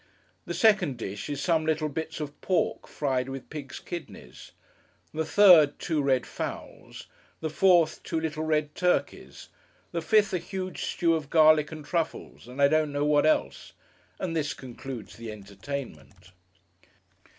The second dish is some little bits of pork, fried with pigs' kidneys. The third, two red fowls. The fourth, two little red turkeys. The fifth, a huge stew of garlic and truffles, and I don't know what else; and this concludes the entertainment.